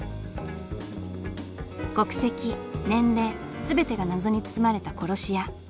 国籍年齢全てが謎に包まれた殺し屋。